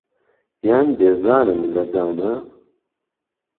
یان بێزارن له جانه؟